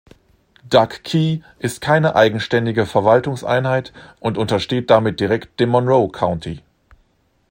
Duck Key ist keine eigenständige Verwaltungseinheit und untersteht damit direkt dem Monroe County.